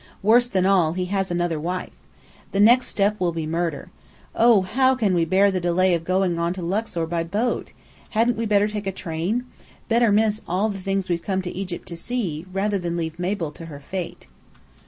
Worse than all, he has another wife. The next step will be murder. Oh, how can we bear the delay of going on to Luxor by boat! Hadn't we better take a train? Better miss all the things we've come to Egypt to see, rather than leave Mabel to her fate."